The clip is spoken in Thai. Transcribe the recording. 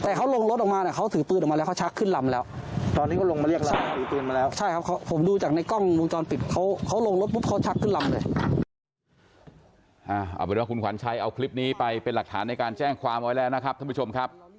เอาเป็นว่าคุณขวัญชัยเอาคลิปนี้ไปเป็นหลักฐานในการแจ้งความไว้แล้วนะครับท่านผู้ชมครับ